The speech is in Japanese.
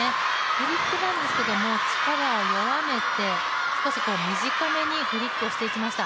フリックなんですけど、力を弱めて少し短めにフリックをしていきました。